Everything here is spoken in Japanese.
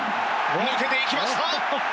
抜けていきました！